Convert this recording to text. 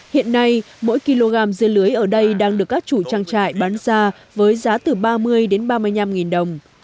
hiện nay mỗi kg dưa lưới ở đây đang được các chủ trang trại bán ra với giá từ ba mươi đến ba mươi năm nghìn đồng